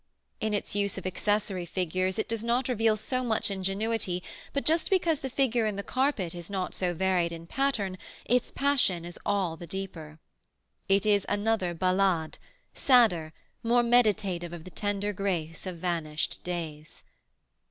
In its use of accessory figures it does not reveal so much ingenuity, but just because the "figure in the carpet" is not so varied in pattern, its passion is all the deeper. It is another Ballade, sadder, more meditative of the tender grace of vanished days.